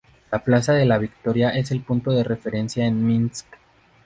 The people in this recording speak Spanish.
La plaza de la Victoria es el punto de referencia en Minsk.